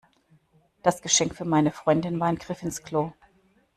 Das Geschenk für meine Freundin war ein Griff ins Klo.